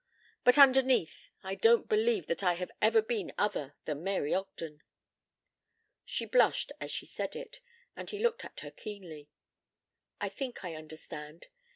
But underneath I don't believe that I have ever been other than Mary Ogden." She blushed as she said it, and he looked at her keenly. "I think I understand.